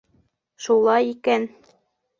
Шулай икән!